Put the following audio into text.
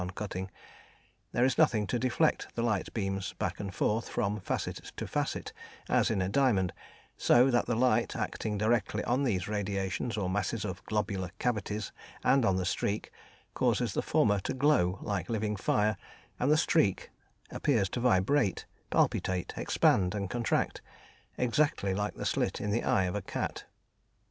on "Cutting"), there is nothing to deflect the light beams back and forth from facet to facet, as in a diamond, so that the light, acting directly on these radiations or masses of globular cavities and on the streak, causes the former to glow like living fire, and the streak appears to vibrate, palpitate, expand, and contract, exactly like the slit in the eye of a cat.